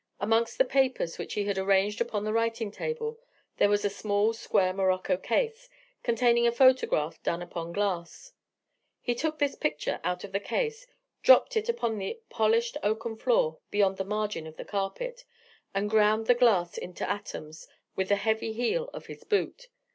Amongst the papers which he had arranged upon the writing table, there was a small square morocco case, containing a photograph done upon glass. He took this picture out of the case, dropped it upon the polished oaken floor beyond the margin of the carpet, and ground the glass into atoms with the heavy heel of his boot.